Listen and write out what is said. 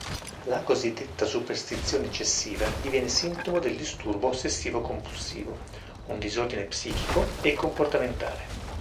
La cosiddetta “superstizione eccessiva” diviene sintomo del disturbo ossessivo-compulsivo, un disordine psichico e comportamentale.